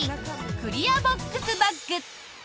クリアボックスバッグ。